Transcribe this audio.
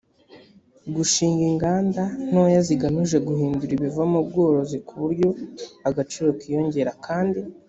gushing inganda ntoya zigamije guhindura ibiva mu bworozi ku buryo agaciro kiyongera kandi